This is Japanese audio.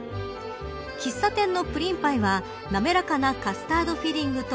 喫茶店のプリンパイは滑らかなカスタードフィリングと